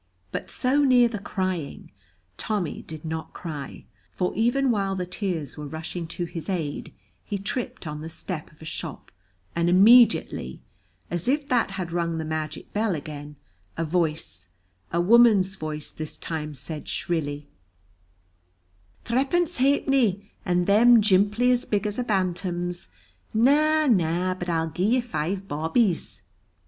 But so near the crying, Tommy did not cry, for even while the tears were rushing to his aid he tripped on the step of a shop, and immediately, as if that had rung the magic bell again, a voice, a woman's voice this time, said shrilly, "Threepence ha'penny, and them jimply as big as a bantam's! Na, na, but I'll gi'e you five bawbees."